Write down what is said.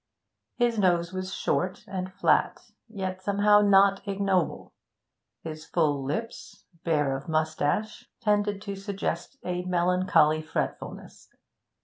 His nose was short and flat, yet somehow not ignoble; his full lips, bare of moustache, tended to suggest a melancholy fretfulness.